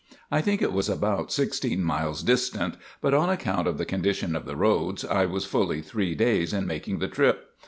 I think it was about sixteen miles distant, but on account of the condition of the roads, I was fully three days in making the trip.